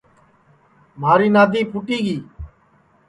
مھاری نادی پھُوٹی گی